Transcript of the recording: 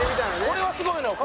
「これはすごいのよ」